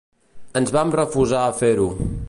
Ens vam refusar a fer-ho.